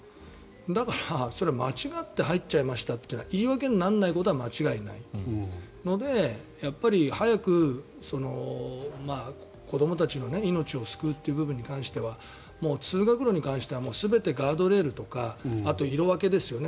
だから、それは間違って入っちゃいましたというのは言い訳にならないことは間違いないので早く、子どもたちの命を救うという部分に関してはもう通学路に関しては全部ガードレールとかあと色分けですよね。